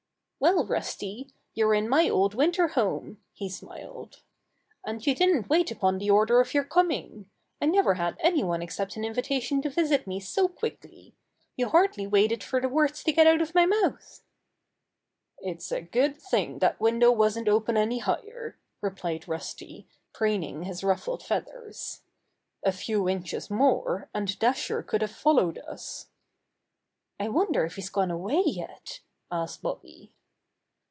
*Well, Rusty, you're in my old winter home," he smiled. "And you didn't wait upon the order of your coming. I never had any one accept an invitation to visit me so quickly. You hardly waited for the words to get out of my mouth." "It's a mighty good thing that window wasn't open any higher," replied Rusty, preen ing his ruffled feathers. "A few inches more and Dasher could have followed us." "I wonder if he's gone away yet?" asked Bobby.